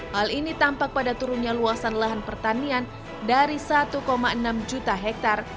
hal ini tampak pada turunnya luasan lahan pertanian dari satu enam juta hektare